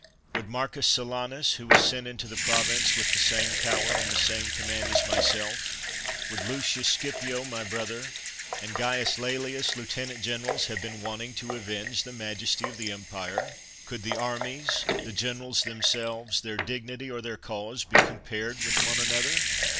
Would Mar cus Silanus, who was sent into the province with the same power and the same command as my self, would Lucius Scipio, my brother, and Caius Laelius, lieutenant generals, have been wanting to avenge the majesty of the empire ? Could the armies, the generals themselves, their dignity or their cause, be compared with one another